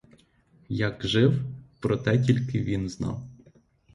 Як жив, про те тільки він знав.